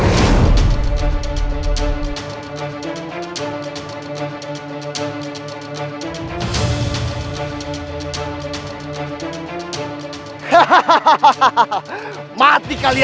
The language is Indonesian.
kau sudah membuat kerusakan di pajak cinta